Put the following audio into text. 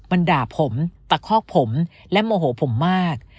มันด่าผมตะคอกผมและโมโหผมมาก